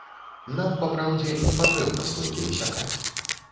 Нам, па праўдзе, не патрэбна столькі высякаць.